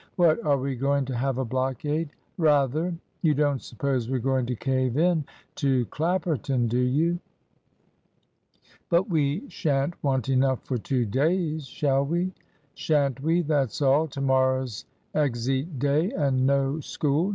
"What, are we going to have a blockade?" "Rather. You don't suppose we're going to cave in to Clapperton, do you?" "But we shan't want enough for two days, shall we?" "Shan't we, that's all! To morrow's exeat day, and no school.